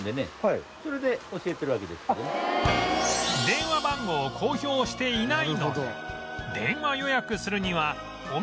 電話番号を公表していないので電話予約するにはお店に向かい